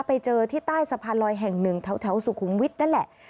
ไปเจอที่ใต้สะพานลอยแห่งหนึ่งแถวสุขุมวิทย์นั่นแหละ